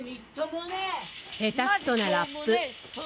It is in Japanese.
下手くそなラップ。